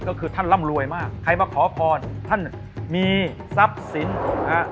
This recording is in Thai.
ก็คือท่านร่ำรวยมากใครมาขอพรท่านมีทรัพย์สินนะฮะ